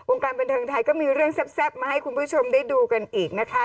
การบันเทิงไทยก็มีเรื่องแซ่บมาให้คุณผู้ชมได้ดูกันอีกนะคะ